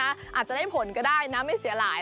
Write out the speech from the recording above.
อาจจะได้ผลก็ได้นะไม่เสียหาย